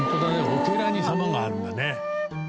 お寺に狭間があるんだね。